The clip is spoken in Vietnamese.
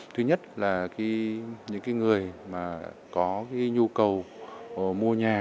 thứ nhất là những người có nhu cầu mua nhà